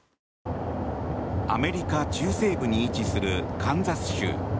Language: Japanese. アメリカ中西部に位置するカンザス州。